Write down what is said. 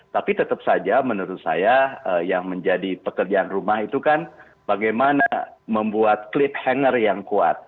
tapi tetap saja menurut saya yang menjadi pekerjaan rumah itu kan bagaimana membuat cleate hangner yang kuat